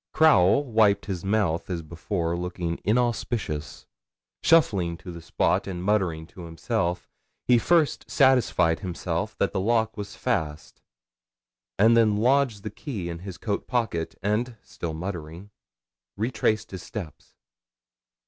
Crowle wiped his mouth as before, looking inauspicious; shuffling to the spot, and muttering to himself, he first satisfied himself that the lock was fast, and then lodged the key in his coat pocket, and still muttering, retraced his steps.